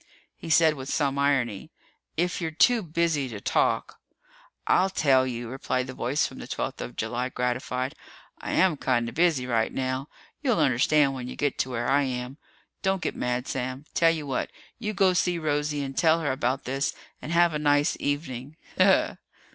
He said with some irony, "If you're too busy to talk " "I'll tell you," replied the voice from the twelfth of July, gratified. "I am kind of busy right now. You'll understand when you get to where I am. Don't get mad, Sam. Tell you what you go see Rosie and tell her about this and have a nice evening. Ha ha!"